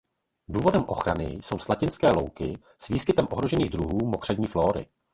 Důvodem ochrany jsou slatinné louky s výskytem ohrožených druhů mokřadní flóry.